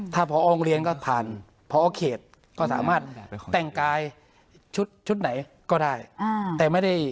ถ้าพอองค์เรียนก็ผ่านพอโอเคดก็สามารถแต่งกายชุดไหนก็ได้